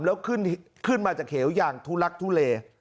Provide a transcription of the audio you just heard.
แล้วขึ้นมาจากเหวอย่างทุลักทุเล